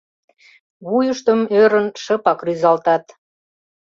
Вуйыштым, ӧрын, шыпак рӱзалтат...